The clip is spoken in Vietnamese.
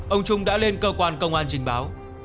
ông trung đã lên cơ quan công an trình báo